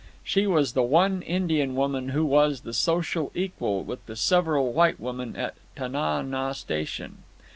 She was the one Indian woman who was the social equal with the several white women at Tana naw Station.